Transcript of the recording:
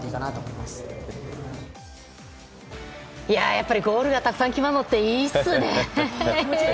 やっぱりゴールがたくさん決まるのっていいっすね！